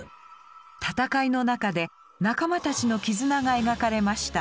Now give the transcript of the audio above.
戦いの中で仲間たちの絆が描かれました。